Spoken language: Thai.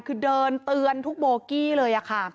คือเดินเตือนทุกโบกี้เลยค่ะ